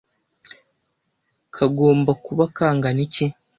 kagomba kuba kangana iki